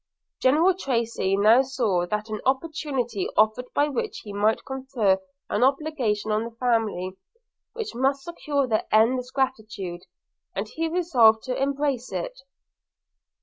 General Tracy now saw that an opportunity offered by which he might confer an obligation on the family, which must secure their endless gratitude, and he resolved to embrace it.